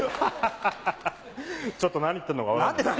ハハハちょっと何言ってんのか分かんないな。